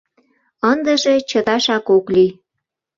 Ындыже чыташак ок лий.